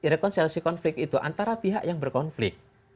rekonsiliasi konflik itu antara pihak yang berkonflik